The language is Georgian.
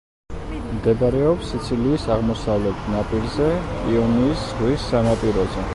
მდებარეობს სიცილიის აღმოსავლეთ ნაპირზე, იონიის ზღვის სანაპიროზე.